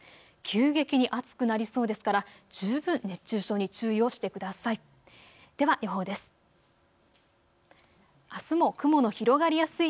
急激に暑くなりそうですから十分熱中症に注意をしてください。